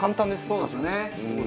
そうですね。